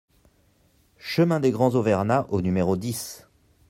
Chemin des Grands Auvernats au numéro dix